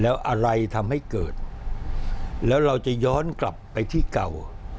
แล้วอะไรทำให้เกิดแล้วเราจะย้อนกลับไปที่เก่า